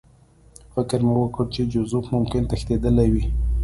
فکر مې وکړ چې جوزف ممکن تښتېدلی وي